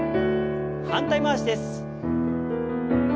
反対回しです。